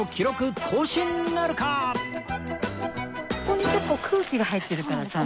こう空気が入ってるからさ。